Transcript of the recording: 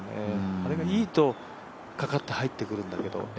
あれがいいと、カカッて入ってくるんですけど。